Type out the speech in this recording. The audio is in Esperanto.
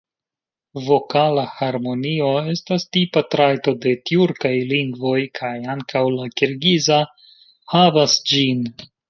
Vokala harmonio estas tipa trajto de tjurkaj lingvoj, kaj ankaŭ la kirgiza havas ĝin.